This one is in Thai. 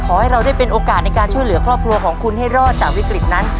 ขอให้เราได้เป็นโอกาสในการช่วยเหลือครอบครัวของคุณให้รอดจากวิกฤตนั้น